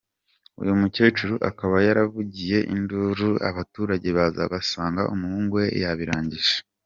Uyu mukecuru akaba yaravugije induru, abaturage baza bagasanga umuhungu we yabirangije.